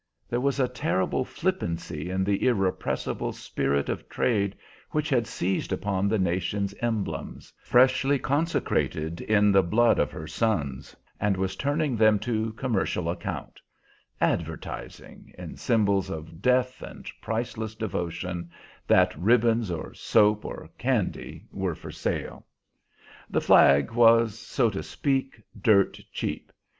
There was a terrible flippancy in the irrepressible spirit of trade which had seized upon the nation's emblems, freshly consecrated in the blood of her sons, and was turning them to commercial account, advertising, in symbols of death and priceless devotion, that ribbons or soap or candy were for sale. The flag was, so to speak, dirt cheap.